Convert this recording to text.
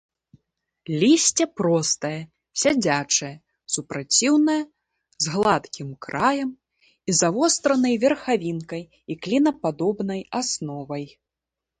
Лісце простае, сядзячае, супраціўнае, з гладкім краем і завостранай верхавінкай і клінападобнай асновай.